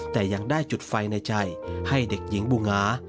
แต่ยังได้จุดไฟในใจให้เด็กหญิงบูงา